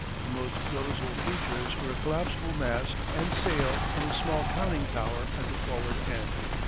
The most noticeable features were a collapsible mast and sail and a small conning tower at the forward end.